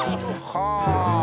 はあ！